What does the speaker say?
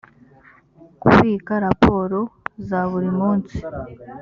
kubika raporo za buri munsi